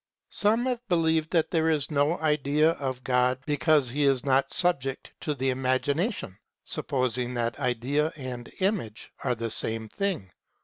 Some have believed that there is no idea of God because he is not subject to the imagination, supposing that idea and image are the same thing.